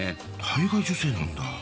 体外受精なんだ。